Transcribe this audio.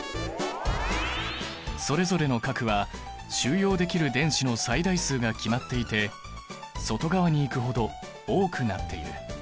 それぞれの殻は収容できる電子の最大数が決まっていて外側に行くほど多くなっている。